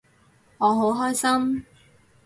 我好開心